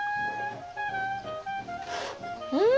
うん！